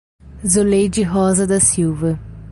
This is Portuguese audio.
Zuleide Rosa da Silva